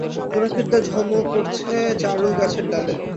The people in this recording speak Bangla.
জোনাকির দল ঝলমল করছে জারুল গাছের ডালে।